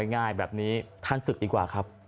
ง่ายแบบนี้ท่านศึกดีกว่าครับ